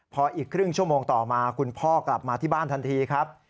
พออีกครึ่งชั่วโมงต่อมาคุณพ่อกลับมาที่บ้านทันทีครับ